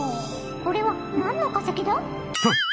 これは何の化石だ？はっ！